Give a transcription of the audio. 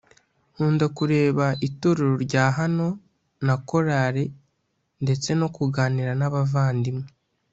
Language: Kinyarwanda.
nkunda kureba itorero rya hano na Chorale ndetse no kuganira n’abavandimwe